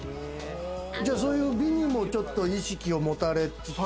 そういう美にもちょっと意識を持たれつつ？